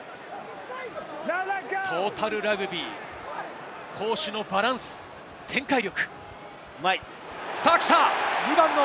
トータルラグビー、攻守のバランス、展開力。